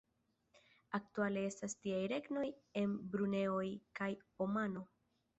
Aktuale estas tiaj regnoj en Brunejo kaj Omano.